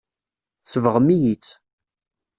Tsebɣem-iyi-tt.